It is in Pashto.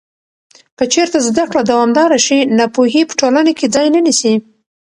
که چېرته زده کړه دوامداره شي، ناپوهي په ټولنه کې ځای نه نیسي.